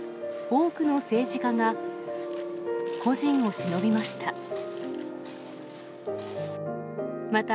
多くの政治家が故人をしのびました。